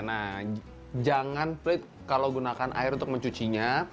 nah jangan pelit kalau menggunakan air untuk mencucinya